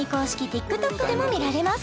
ＴｉｋＴｏｋでも見られます